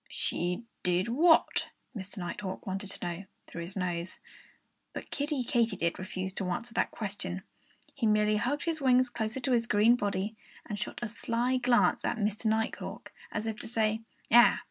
"She did what?" Mr. Nighthawk wanted to know through his nose. But Kiddie Katydid declined to answer that question. He merely hugged his wings closer to his green body, and shot a sly glance at Mr. Nighthawk, as if to say, "Ah!